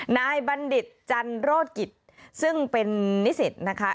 บัณฑิตจันโรธกิจซึ่งเป็นนิสิตนะคะ